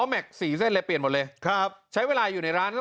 แม็กซสี่เส้นเลยเปลี่ยนหมดเลยครับใช้เวลาอยู่ในร้าน